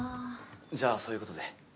じゃあそういうことで。